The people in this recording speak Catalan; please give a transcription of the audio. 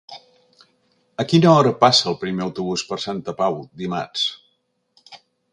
A quina hora passa el primer autobús per Santa Pau dimarts?